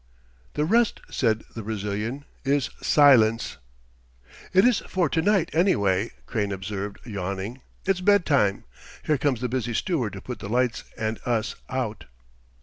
"The rest," said the Brazilian, "is silence." "It is for to night, anyway," Crane observed, yawning. "It's bedtime. Here comes the busy steward to put the lights and us out."